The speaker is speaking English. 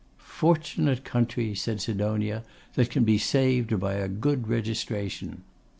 'Fortunate country!' said Sidonia, 'that can be saved by a good registration!